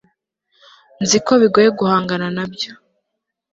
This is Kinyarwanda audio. nzi ko bigoye guhangana nabyo